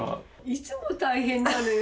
いつも大変なのよ。